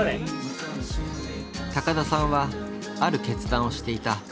高田さんはある決断をしていた。